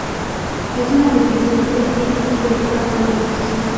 Es un edificio de tres pisos y seis departamentos.